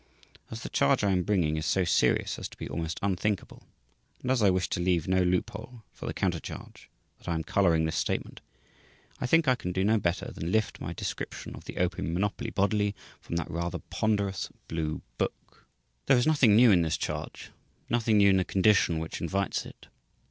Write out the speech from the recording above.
As the charge I am bringing is so serious as to be almost unthinkable, and as I wish to leave no loophole for the counter charge that I am colouring this statement, I think I can do no better than to lift my description of the Opium Monopoly bodily from that rather ponderous blue book. There is nothing new in this charge, nothing new in the condition which invites it.